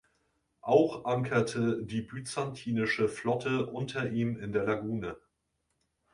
Auch ankerte die byzantinische Flotte unter ihm in der Lagune.